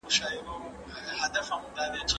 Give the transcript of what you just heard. د فرانسې پاچا د ایران سفیر ته ډېر درناوی وکړ.